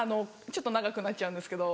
ちょっと長くなっちゃうんですけど。